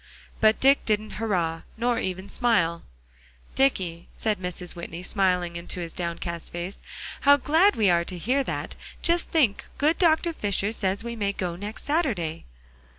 But Dick didn't "hurrah," nor even smile. "Dicky," said Mrs. Whitney, smiling into his downcast face, "how glad we are to hear that; just think, good Dr. Fisher says we may go next Saturday."